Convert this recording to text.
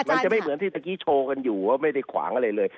มันจะไม่เหมือนที่เมื่อกี้โชว์กันอยู่ว่าไม่ได้ขวางอะไรเลย